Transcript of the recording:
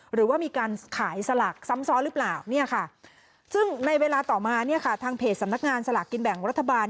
หรือว่ามีการขายสลักซ้ำซ้อนหรือเปล่าซึ่งในเวลาต่อมาทางเพจสำนักงานสลักกินแบ่งรัฐบาล